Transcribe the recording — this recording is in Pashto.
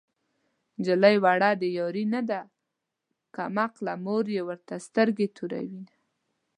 نجلۍ وړه د يارۍ نه ده کم عقله مور يې ورته سترګې توروينه